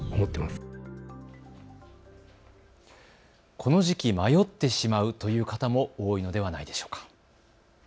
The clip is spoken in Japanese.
この時期、迷ってしまうという方も多いのではないでしょうか。